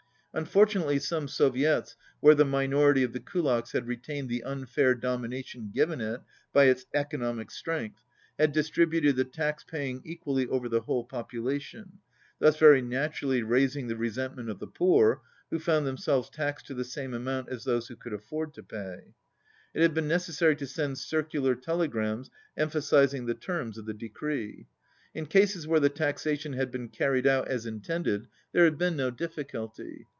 Unfortunately some Soviets, where the minority of the Kulaks had retained the unfair domination given it by its economic strength, had distributed the tax paying equally over the whole population, thus very naturally raising the resentment of the poor who found themselves taxed to the same amount as those who could afford to pay. It had been necessary to send circular telegrams empha sizing the terms of the decree. In cases where the taxation had been carried out as intended there had been no difficulty.